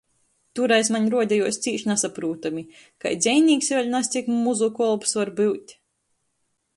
Tūreiz maņ ruodejuos cīš nasaprūtami, kai dzejnīks i vēļ nazcik muzu kolps var byut